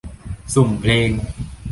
สุ่มเพลง